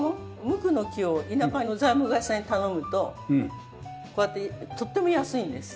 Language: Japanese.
無垢の木を田舎の材木屋さんに頼むとこうやってとっても安いんです。